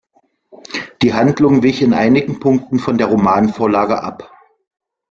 Die Handlung wich in einigen Punkten von der Romanvorlage ab.